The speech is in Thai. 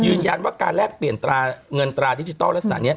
ยืนยันว่าการแลกเปลี่ยนตราเงินตราดิจิทัลลักษณะนี้